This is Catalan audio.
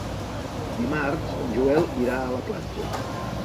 Dimarts en Joel irà a la platja.